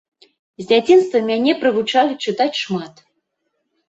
З дзяцінства мяне прывучалі чытаць шмат.